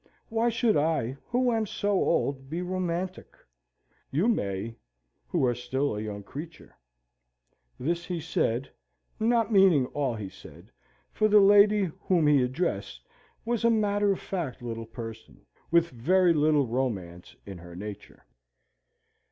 Why should I, who am so old, be romantic? You may, who are still a young creature." This he said, not meaning all he said, for the lady whom he addressed was a matter of fact little person, with very little romance in her nature.